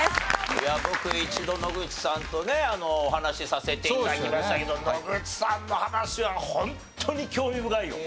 いや僕一度野口さんとねお話しさせて頂きましたけど野口さんの話はホントに興味深いよ。